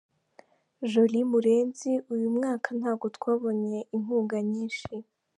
Jolie Murenzi: Uyu mwaka ntabwo twabonye inkunga nyinshi.